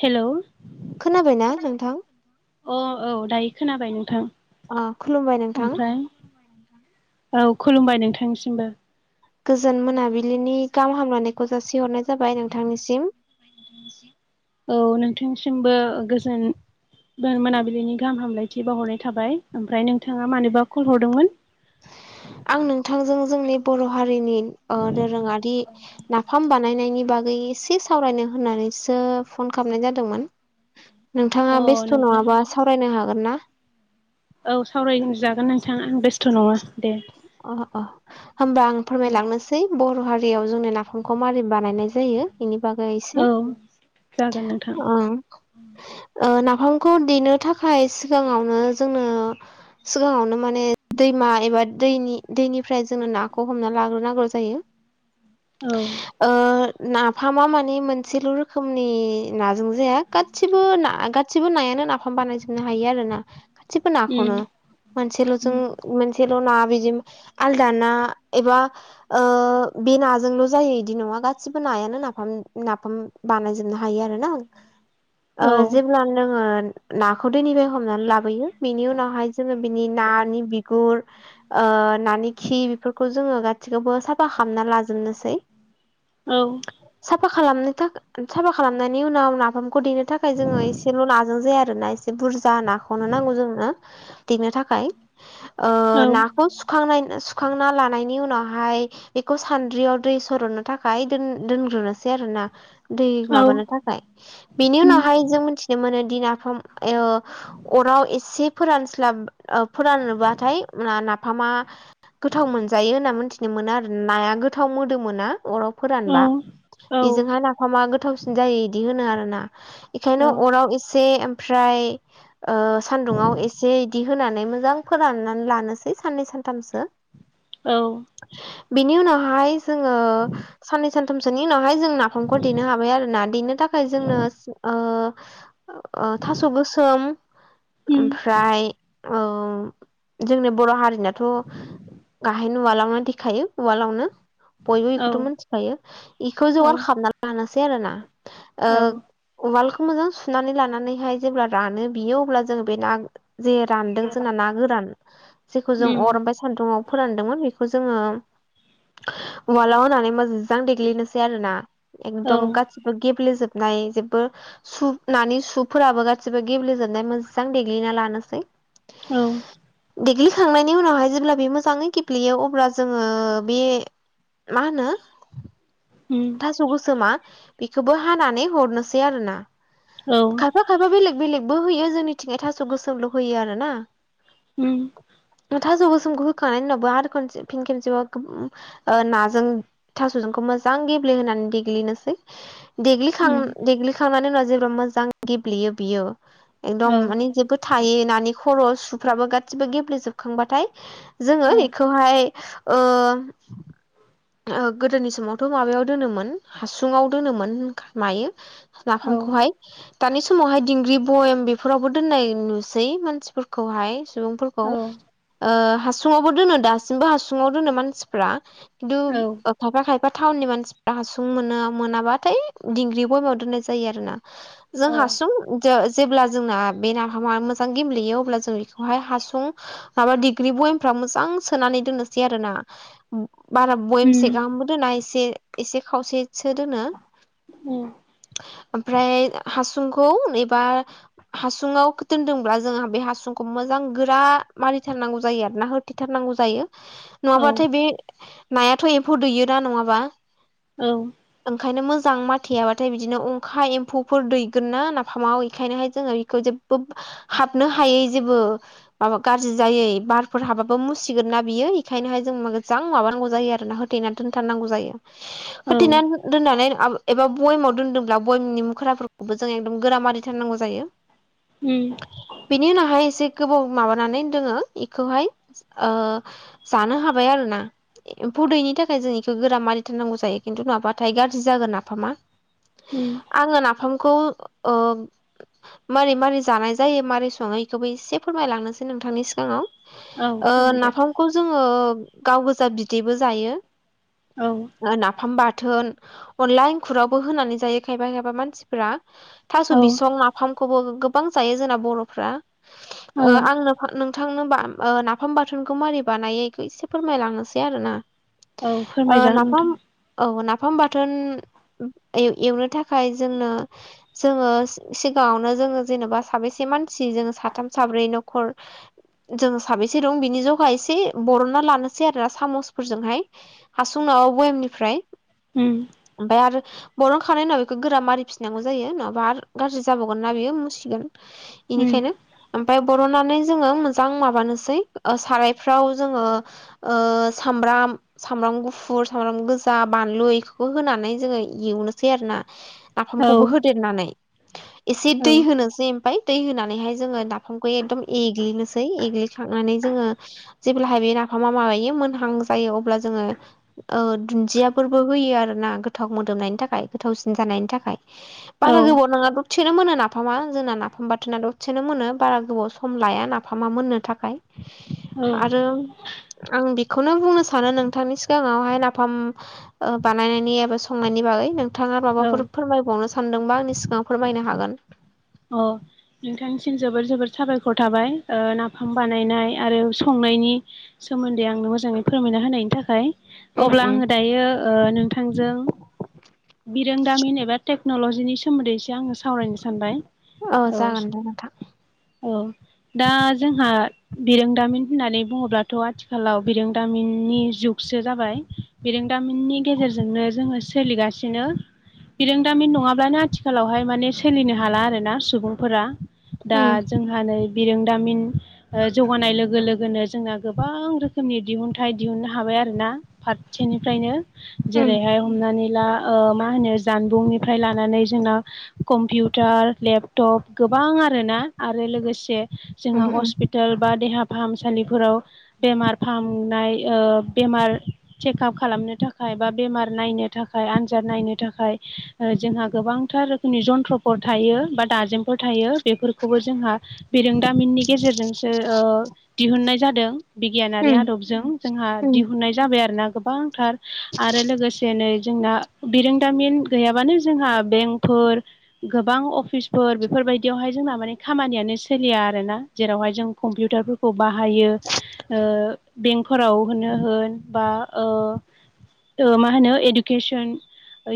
Hello अ [unintelligible] खोनाबायना नोंथां? अ औ दायो खोनाबाय नोंथां। अ खुलुमबाय नोंथां। ओमफ्राय औ खुलुमबाय नोंथांनिसिमबो। गोजोन मोनाबिलिनि गाहाम हामलायनायखौ जासिहरनाय जाबाय नोंथांनिसिम। औ नोंथांसिमबो गोजोन मोनाबिलिनि गाहाम हामलायथि बावहरनाय थाबाय ओमफ्राय नोंथाङा मानोबा कल हरदोंमोन? आं नोंथांजों जोंनि बर' हारिनि ओ दोरोङारि नाफाम बानायनायनि बागै एसे सावरायनो होननानैसो फन खालामनाय जादोंमोन। अ नोंथाङा बेस्थ' नंगौना नङाबा नोंथां सावरायनो हागोन ना? औ सावरायनो जागोन नोंथां आं बेस्थ' नङा दे। अ अ होमबा आं फोरमायलांनोसै बर' हारियाव जोंनो नाफामखौ मारै बानायनाय जायो। इनि बागै एसे औ जागोन [unintelligible] ओं ओ नाफामखौ देनो थाखाय सिगाङावनो जोंनो सिगाङावनो माने दैमा एबा दैनि दैनिफ्राय जोंङो नाखौ हमना लाग्रोनांगौ जायो। [inaudible] औ ओ नाफामा माने मोनसेल' [unintelligible] रोखोमनि नाजों जाया गासिबो ना गासिबो नायानो नाफाम बानायजोबनो हायो आरो ना गासिबो नाखौनो उम मोनसेल' जों मोनसेल' ना बेदि आलदा ना एबा ओ बे नाजोंल' जायो इदि नङा गासिबो नायानो नाफाम नाफाम बानायजोबनो हायो आरो ना औ जेब्ला नोङो नाखौ दैनिफ्राय हमनानै लाबोयो बिनि उनावहाय जोङो बिनि नानि बिगुर ओ नानि खि बेफोरखौ जोङो गासैखौबो साफा खामना लाजोबनोसै औ साफा खालामनो थाखा साफा खालामनायनि उनाव नाफाम खौ देनो थाखाय जोङो एसेल' नाजों जाया आरो ना एसे बुरजा नाखौनो नांगौ जोंनो। देनो थाखाय ओ औ नाखौ सुखांनाय सुखांना लानायनि उनावहाय एखौ सान्द्रियाव दै सरननो थाखायोन दोनग्रोनोसै आरो ना दै औ माबानो थाखाय बेनि उम उनावहाय जों मिथिनो मोनो दि नाफाम अराव एसे फोरानस्लाब ओ फोरानबाथाय नाफामा गोथाव मोनजायो होनना मोनथिनो मोनो आरो नाया गोथाव मोदोमोना अराव औ फोरानबा औ बेजोंहाय ना गोथावसिन जायो इदि होनो आरोना इखायनो अराव एसे ओमफ्राय सान्दुङाव एसे इदि होनानै मोजां फोराननानै लानोसै साननै सानथामसो औ बिनि उनावहाय जोङो साननै सानथामसोनि उनावहाय जों ना फामखौ देनो हाबाय आरो ना देनो थाखाय जोंनो थास' गोसोम उम ओमफ्राय औ जोंनि बर' हारिनाथ' गाहेन उवालावनो देखायो उवालावनो बयबो औ इखौथ' मिथिखायो इखौ औ जगार खामना लानोसै आरो ना ओ औ उवालखौ मोजां सुनानै लानानैहाय जेब्ला रानो बियो अब्ला जोङो बे ना जे रानदों जोंना ना गोरान जेखौ जों अर उम ओमफ्राय सान्दुङाव फोरानदोंमोन बे खौ जोङो वारालडाव होनानै मोजां देग्लिनोसै आरो ना औ एकदम गासिबो गेब्लेेजोबनाय जेबो सु नानि सुफोराबो गासिबो गेब्लेेजोबनाय मोजां देग्लिना लानोसै औ देग्लिखांनायनि उनावहाय जेब्ला बे मोजाङै गेब्लेयो अब्ला जोङो बे मा होनो उम थास' गोसोमा बेखौबो हानानै हरनोसै आरोना खायफा खायफा बेलेग बेलेगबो होयो जोंनिथिंहाइ थास' गोसोमल' होयो आरो ना थास' गोसोमखौ हो खांनायनि उनाव खसे फ खसेब नों थास'जों मोजां मुलि होनानै देग्लिनोसै देग्लिखां देग्लि खांनानै उनाव जेब्ला मोजां गेब्लेयो बियो एकदम माने जेबोद थायो नानि खर' सुफ्राबो गासिबो गेब्लेेजोबखांबाथाय जोङो इखौ इखौहाय ओ गोदोनि समावथ' माबायाव दोनोमोन हासुङाव दोनोमोन मायो नाफामखौहाय दानि समावहाय दिंग्रि बयेम बेफोरावबो दोननाय नुसै मानसिफोरखौहाय सुबुंफोर खौ हासुङावबो दोनो दासिमबो हासुङाव दोनो मानसिफ्रा खिन्थु खायफा खायफा थटाउन नि मानसि फ्रा हासुं मोनो मोनाबाथाय दिंग्रि बयमाव दोननाय जायो आरो ना जों हासुं जेब्ला जोंना बे नाफामा मोजां गेब्लेयो अब्ला जों बेखौहाय हासुं माबा डिग्रि बयनिफ मोजां सोनानै दोननोसै आरो ना बारा बयेमसे गाहामबो दोना एसे एसे खावसेसो दोनो ओमफ्राय हासुंखौ एबा हासुंङाव दोनदोंब्ला जोंहा बे हासुंखौ मोजां गोरा मारिथारनांगौ जायो आरोना हो दोनथारनांगौ जायो नङाब्लाथाय बे नायाथ' एम्फौ दैयोना नंङाबा औ ओंखायनो मोजां माथेयाबाथाय बिदिनो अंखा एम्फौफोर दैगोन ना नाफामाव बेखायनोहाय जोंङो खौ जेबो हाबनो हायै जेबो माबा गाज्रि जायो बारफोर हाबाबो मुसिगोन ना बियो बेखायनोहाय जों मोजां माबानांगौ जायो आरोना होथेना दोनथारनांगौ जायो होथेना औ दोननानै एबा बयामाव दोनदोंब्ला बयेमनि मुख्राफोरखौबो जों एकदम गोरा मारिथारनांगौ जायो। उम बिनि उनावहाय एसे गोबाव माबानानै दोङो बेखौहाय ओ जानो हाबाय आरो ना एम्फुदैयिनि थाखाय जों इखौ गोरा दोननांगौ जायो खिन्थु नङाबाथाय गाज्रि जागोन नाफामा उम आंङो नाफामखौ ओ मारै मारै जानाय जायो मारोरै संङो बेखौबो एसे फोरमायलांनोसै नोंथांनि सिगांङाव औ ओ नाफामखौ जोंङो गाव गोजा बिदैबो जायो। औ नाफाम बाथोन अनला एंखुरावबो होनानै जायो खायफा खायबा मानसि फोरा थास' औ बिसं नाफामखौबो गोबां जायो जोंना बर'फ्रा ओ आंनो नोंथांनो नाफाम बाथोनखौ मारै बानायैखौ एसे फोरमायलांनोसै आरो ना औ फोरमायजागोन नोंथां औ नाफाम बाथोन एवनो थाखाय जोंनो जोंङो सिगाङावनो जोंङो जेन'बा साबेसे मानसि जोङो साथाम साब्रै न'खर जों साबेसे दं बिनि जग एसे बरनना लानोसै आरो सामसफोरजोंहाय हासुङाव बयामनिफ्राय ओमफाय आरो बरन खांनायनि उनाव बेखौ गोरा मारि फिनांगौ जायो नङाबा आर गाज्रि जाबावगोन ना बियो मुसिगोन बेनिखायनो ओम ओमफफ्राय बर'नानै जोङो मोजां माबानोसै सारायफ्राव जोङो ओ सामब्राम सामब्राम गुफुर सामब्राम गोजा बानलु इखोबो होनानै जोङो एवनोसै आरोना। औ नाफामखौबो होदेरनानै एसे औ दै होनोसै ओमफाय। दै होनानैहाय जोङो नाफामखौ एकदम एग्लिनोसै एग्लिखांनानै जोङो जेब्लाहाय बे नाफामा माबायो मोनहां जायो अब्ला जोङो ओ दुन्दियाफोरबो होयो आरोना गोथाव मोदोमनायनि थाखाय गोथावसिन जानायनि थाखाय। औ बारा गोबाव नाङा द सेनो मोनो नाफामा जोंना नाफाम बाथोना दथसेनो मोनो बारा गोबाव सम लाया नाफामा मोननो थाखाय। आरो आं बेखौनो बुंनो सानो नोंथांनि सिगाङाव नाफाम ओ बानायनायनि एबा संनायनि बागै नोंथाङा औ माबाफोर औ फोरमायबावनो सान सानदोंबा आंनि सिगाङाव फोरमायनो हागोन। अर। नोंथांनिसिम जोबोर जोबोर साबायखर थाबाय ओ नाफाम बानायनाय आरो संनायनि सोमोन्दै आंनो मोजाङै फोरमायना होनायनि थाखाय। उम अब्ला उम आङो दायो ओ नोंथांजों बिरोंदामिन एबा टेक्न'ल'जिनि सोमोन्दैसो आङो सावरायनो सानबाय। औ जागोन दे नोंथां। औ दा जोंहा बिरोंदामिन होननानै बुङोब्लाथ' आथिखालाव बिरोंदामिननि जुगसो जाबाय। बिरोंदामिननि गेजेरजोंनो जोङो सोलिगासिनो। बिरोंदामिन नङाब्लानो आथिखालावहाय माने सोलिनो हाला आरो ना सुबुंफोरा। दा उम जोंहा नै बिरोंदामिन ओ जौगानाय लोगो लोगोनो जोंना गोबां रोखोमनि दिहुनथाइ दिहुननो हाबाय आरोना। फार सेनिफ्रायनो उम जेरैहाय हमनानै ला ओ मा होनो जानबुंनिफ्राय लानानै जोंना कम्पिउटार लेपटप गोबां आरोना आरो लोगोसे जोंहा उम हस्पि टोल बा देहा फाहामसालिफोराव बेमार फाहामनाय ओ बेमार चेकाप खालामनो थाखाय बा बेमार नायनो थाखाय आन्जाद नायनो थाखाय ओ जोंहा गोबांथार रोखोमनि जन्थ्रफोर थायो बा दाजेमफोर थायो बेफोरखौबो जोंहा बेरोंदामिननि गेजेरजोंसो दिहुननाय जादों। बिगियानारि उम आदबजों जोंहा उम दिहुननाय जाबाय आरोना गोबां थार आरो लोगोसे नै जोंना बिरोंदामिन गैयाबानो जोंहा बेंफोर गोबां अफिस फोर बेफोरबायदियावहाय जोंना माने खामानियानो सोलिया आरोना जेरावहाय जों कम्पिउटारफोर खौ बाहायो ओ बेंकफोराव होनो होन बा ओ ओ मा होनो एडुकेसन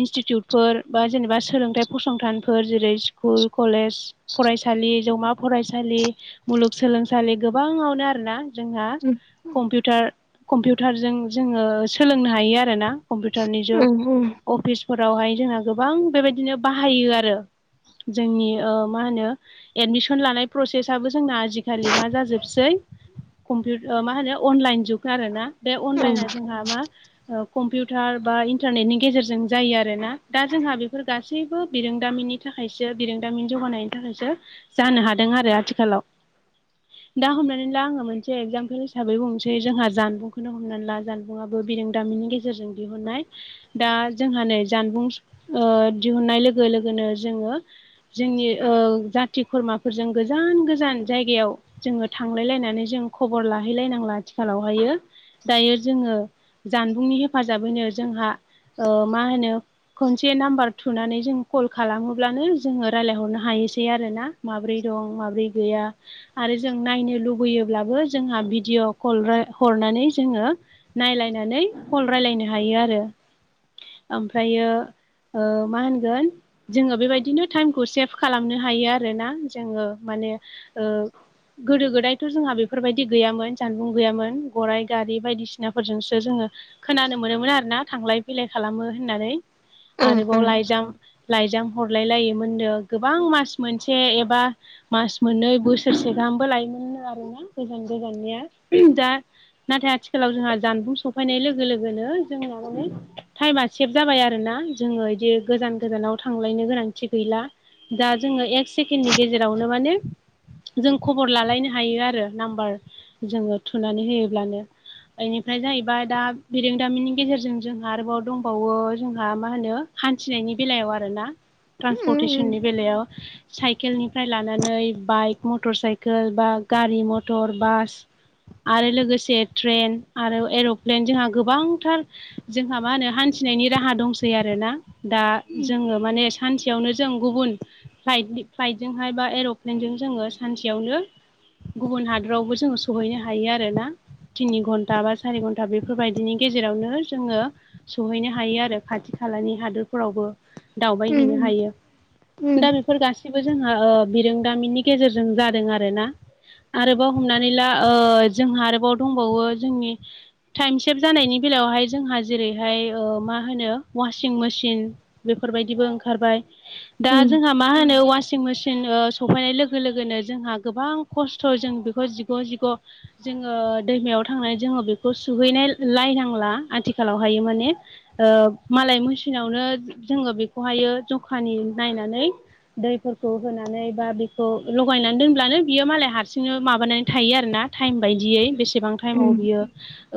इनस्टिटिउटफोर बा जेनेबा सोलोंथाइ फसंथानफोर जेरै स्कुल कलेज फरायसालि जौमा फरायसालि मुलुगसोलोंसालि गोबाङावनो आरोना। जोंहा उम कम्पिउटार कम्पिउटारजों जोङो सोलोंनो हायो आरोना। कम्पिउटारनि उम जुग अफिसफोरावहाय जोंहा गोबां बेबायदिनो बाहायो आरो। जोंनि ओ मा होनो एडमिसन लानाय प्रसेसआबो जोंना आजिखालि मा जाजोबसै कम्पिउ ओ मा होनो अनलाइन जुग आरोना बे अनलाइना जोंहा मा कम्पिउटार बा इन्टारनेटनि गेजेरजों जायो आरोना दा जोंहा बेफोर गासैबो बिरोंदामिननि नि थाखायसो बिरोंदामिन जौगानायनि थाखायसो जानो हादों आरो आथिखालाव। [inaudible] दा हमनानै ला आङो मोनसे एग्जाम्पोल हिसाबै बुंनोसै जोंहा जानबुंखौनो हमनानै ला। जानबुंङाबो बिरोंदामिनि गेजेर फोरजों दिहुननाय दा जोंहा नै जानबुं ओ दिहुननाय लोगो लोगोनो जोङो जोंनि ओ जाथि खुरमाफोरजों गोजान गोजान जायगायाव जोङो थांलाय लायनानै जों खबर लाहैलायनांला आथिखालावहायो। दायो जोङो जानबुंनि हेफाजाबैनो जोंहा ओ मा होनो खनसे नाम्बार थुनानै जों कल ख खालामोब्लानो जोङो रायलायहरनो हायोसै आरो आरो जों नायनो लुबैयोब्लाबो जोंहा भिडिअ कल रा हरनानै जोङो नायलायनानै कल रायलायनो हायो आरो। ओमफ्रायो ओ मा होनगोन? जोङो बेबायदिनो टाइमखौ सेभ खालामनो हायो आरोना जोङो माने ओ गोदो गोदायथ' जोंहा बेफोरबायदि गैयामोन जानबुं गैयामोन गराइ गारि बायदिसिनाफोरजोंसो जोङो खोनानो मोनोमोन आरोना थांलाय फैलाय खालामो होननानै आरोबाव लाइजाम लाइजाम हरलायलायोमोन नो गोबां मास मोनसे एबा मास मोननै बोसोरसे गाहामबो लायोमोन आरोना गोजान गोजाननिया दा नाथाय आथिखालाव जोंहा जानबुं सफैनाय लोगो लोगोनो जोंहा माने टाइमा सेभ जाबाय आरोना जोङो इदि गोजान गोजानाव थांलायनो गोनांथि गैला दा जोङो एक सेकेण्डनि गेजेरावनो माने जों खबर लालायनो हायो आरो नाम्बार जोङो थुनानै होयोब्लानो। इनिफ्राय जाहैबाय दा बिरोंदामिनि गेजेरजों जोंहा आरोबाव दंबावो जोंहा मा होनो हान्थिनायनि बेलायाव आरोना ट्रान्सपर्टेसननि बेलायाव साइकेलनिफ्राय लानानै बाइक, मटर-साइकेल बा गारि, मथर, बास आरो लोगोसे ट्रेन आरो एर'प्लेन जोंहा गोबांथार जोंहा मा होनो हान्थिनायनि राहा दंसै आरोना दा जोङो माने सानसेयावनो जों गुबुन फ्लाइट फ्लाइटजोंहाय बा एर'प्लेनजों जोङो सानसेयावनो गुबुन हादरावबो जोङो सहैनो हायो आरोना। तिनि घन्टा बा सारि घन्टा बेफोरबायदिनि गेजेरावनो जोङो सहैनो हायो आरो खाथि खालानि हादोरफोरावबो। दावबायहैनो हायो दा बे -फोर गासैबो जोंहा ओ बिरोंदामिननि गेजेरजों जादों आरोना। आरोबाव हमनानै ला ओ जोंहा आरोबाव दंबावो जोंनि टाइम सेभ जानायनि बेलायावहाय जोंहा जेरैहाय ओ मा होनो वासिं मेसिन बेफोरबायदिबो ओंखारबाय दा उम उम जोंहा मा होनो ववासिं मेसिन ओ सफैनाय लोगो लोगोनो जोंहा गोबां खस्थ' जों बेखौ जिग' जिग' जोङो दैमायाव थांनानै जोङो बेखौ सुहैनाय लायनांला आथिखालावहाय माने। ओ मालाय मोसिनावनो जोङो बेखौहायो जखानि नायनानै दैफोरखौ होनानै बा बेखौ लगायनानै दोनब्लानो बियो मालाय हारसिंनो माबानानै थायो आरोना। टाइम बायदियै बेसेबां टाइमाव उम बियो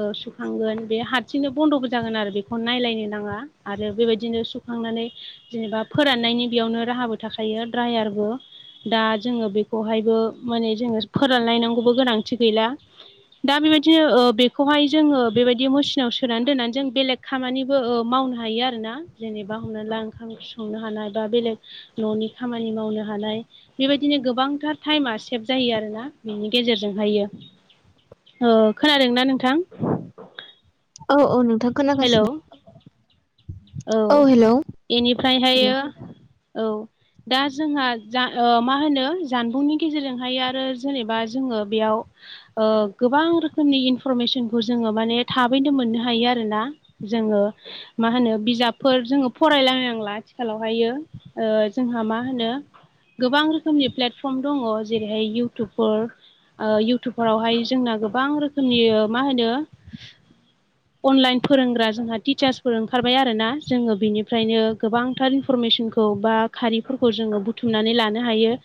ओ सुखांगोन बे हारसिंनो बन्द'बो जागोन आरो बेखौ नायलायनो नाङा आरो बेबायदिनो सुखांनानै जेनेबा फोराननायनि बेयावनो राहाबो थाखायो ड्रायारबो। दा जोङो बेखौहायबो माने जोङो फोरानलायनांगौबो गोनांथि गैला। दा बेबायदिनो ओ बेखौहाय जोङो बेबायदि मेसिनाव सोनानै दोननानै जों बेलेग खामानिबो ओ मावनो हायो आरोना जेनेबा हमना ला ओंखाम संनो हानाय बा बेलेग न'नि खामानि मावनो हानाय बेबायदिनो गोबांथार टाइमा सेभ जायो आरोना बेनि गेजेरजोंहायो। ओ खोनादोंना नोंथां? औ औ नोंथां हेलौ खोनागासिनो। औ हेलौ। उम इनिफ्रायहायो औ दा जोंहा जा ओ मा होनो जानबुंनि गेजेरजोंहाय आरो जेनेबा जोङो बेयाव ओ गोबां रोखोमनि इनफरमेसनखौ जोङो माने थाबैनो मोननो हायो आरोना जोङो मा होनो बिजाबफोर जोङो फरायलायनांला आथिखालावहायो जोंहा मा होनो गोबां रोखोमनि प्लेटफर्म दङ जेरैहाय इउटुबफोर ओ इउटुबफोरावहाय जोंना गोबां रोखोमनि ओ मा होनो अनलाइन फोरोंग्रा जोंहा टिचार्सफोर ओंखार बाय आरोना जोङो बेनिफ्रायनो गोबांथार इनफरमेसनखौ बा खारिफोरखौ जोङो थुमनानै लानो हायो